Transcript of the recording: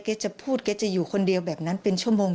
จะพูดแกจะอยู่คนเดียวแบบนั้นเป็นชั่วโมง